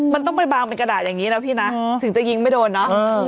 มันต้องไปบางเป็นกระดาษอย่างนี้นะพี่นะถึงจะยิงไม่โดนเนาะ